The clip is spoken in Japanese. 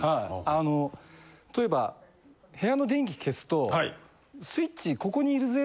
あの例えば部屋の電気消すとスイッチ。